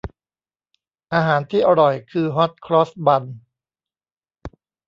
อาหารที่อร่อยคือฮอตครอสบันส์